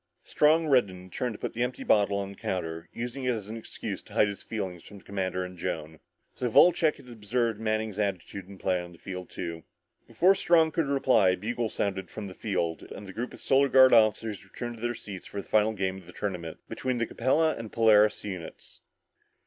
Strong reddened and turned to put the empty bottle on the counter, using it as an excuse to hide his feelings from the commander and Joan. So Wolcheck had observed Manning's attitude and play on the field too. Before Strong could reply, a bugle sounded from the field and the group of Solar Guard officers returned to their seats for the final game of the tournament between the Capella and the Polaris units.